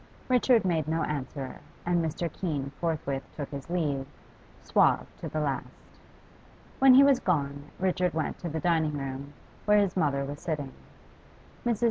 Richard made no answer, and Mr. Keene forthwith took his leave, suave to the last. When he was gone, Richard went to the dining room, where his mother was sitting. Mrs.